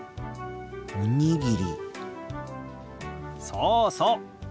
そうそう。